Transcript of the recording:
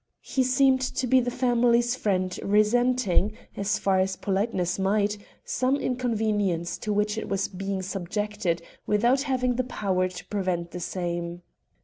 He seemed to be the family's friend resenting, as far as politeness might, some inconvenience to which it was being subjected without having the power to prevent the same.